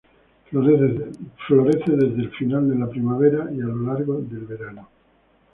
Florece desde final de la primavera y a lo largo del verano.